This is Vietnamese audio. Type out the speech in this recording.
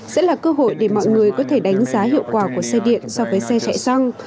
sẽ là cơ hội để mọi người có thể đánh giá hiệu quả của xe điện so với xe chạy xăng